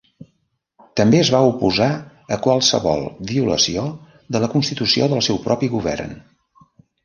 També es va oposar a qualsevol violació de la Constitució del seu propi govern.